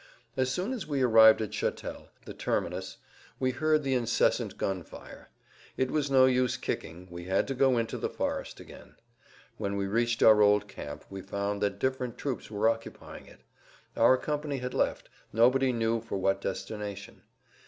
As soon as we arrived at Chatel, the terminus, we heard the incessant gun fire. It was no use kicking, we had to go into the forest again. When we reached our old camp, we found that different troops were occupying it. Our company had left, nobody knew for what destination.